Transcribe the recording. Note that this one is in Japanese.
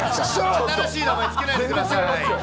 新しい名前付けないでください。